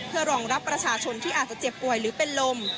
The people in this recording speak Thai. เพื่อรองรับประชาชนที่อาจจะเจ็บป่วยหรือเป็นลม